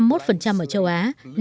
năm mươi một ở châu á